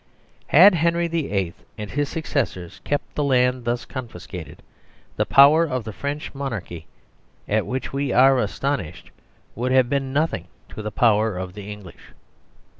Had Henry VIII. and his successors kept the land thus confiscated, the power of the French Monarchy, at which we are astonished, would have been nothing to the power of the English.